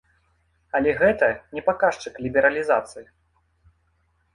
Але гэта не паказчык лібералізацыі.